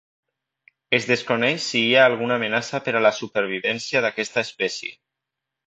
Es desconeix si hi ha alguna amenaça per a la supervivència d'aquesta espècie.